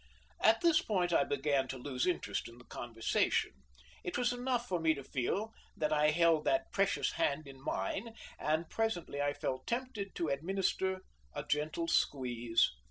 At this point I began to lose interest in the conversation. It was enough for me to feel that I held that precious hand in mine, and presently I felt tempted to administer a gentle squeeze.